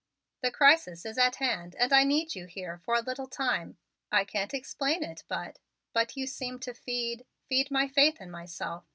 "The crisis is at hand and I need you here for a little time. I can't explain it, but but you seem to feed feed my faith in myself.